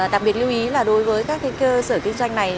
đặc biệt lưu ý là đối với các cơ sở kinh doanh này